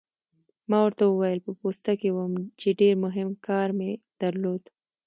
ما ورته وویل: په پوسته کې وم، چې ډېر مهم کار مې درلود.